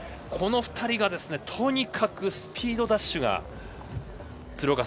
この２人がとにかくスタートダッシュが。